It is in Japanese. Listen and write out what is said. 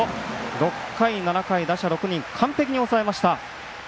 ６回、７回打者６人完璧に抑えました。